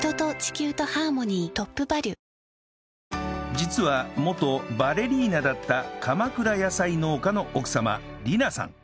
実は元バレリーナだった鎌倉野菜農家の奥様里菜さん